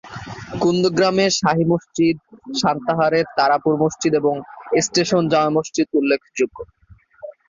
কুন্দগ্রামের শাহী মসজিদ, সান্তাহারের তারাপুর মসজিদ ও স্টেশন জামে মসজিদ উল্লেখযোগ্য।